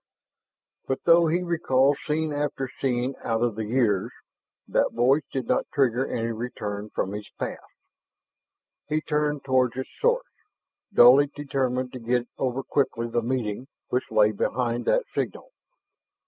But, though he recalled scene after scene out of the years, that voice did not trigger any return from his past. He turned toward its source, dully determined to get over quickly the meeting which lay behind that signal.